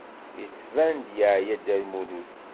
Yettban-d yeɛya Dda Lmulud.